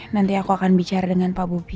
nanti aku akan bicara dengan pak budi